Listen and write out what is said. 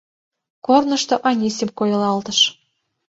Корнышто Анисим койылалтыш.